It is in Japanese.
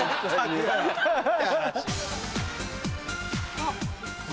あっ。